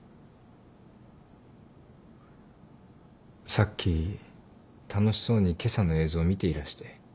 さっき楽しそうに今朝の映像を見ていらして。